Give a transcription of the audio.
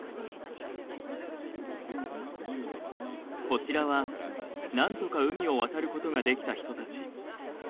こちらはなんとか海を渡ることができた人たち。